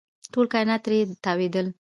ټول کاینات ترې تاوېدل.